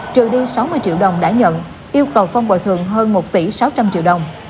trừ đi sáu mươi triệu đồng đã nhận yêu cầu phong bồi thường hơn một tỷ sáu trăm linh triệu đồng